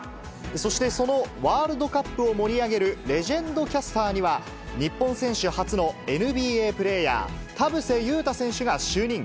そしてそのワールドカップを盛り上げる、レジェンドキャスターには、日本選手初のＮＢＡプレーヤー、田臥勇太選手が就任。